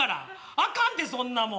あかんでそんなもん。